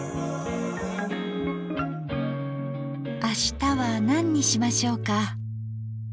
明日は何にしましょうか。